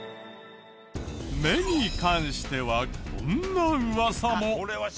目に関してはこんなウワサも。